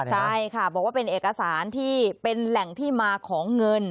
ใช่ค่ะบอกว่าเป็นเอกสารที่เป็นแหล่งที่มาของเงิน